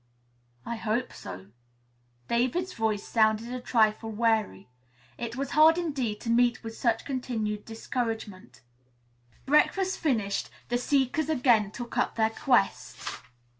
"I hope so." David's voice sounded a trifle weary. It was hard indeed to meet with such continued discouragement. Breakfast finished, the seekers again took up their quest.